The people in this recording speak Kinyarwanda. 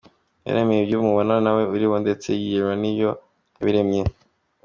Yaremye ibi byose mubona nawe urimo, ndetse n’ibirema ni yo yabiremye.